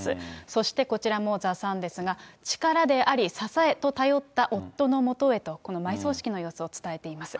そしてこちらもザ・サンですが、力であり、支えと頼った夫のもとへと、この埋葬式の様子を伝えています。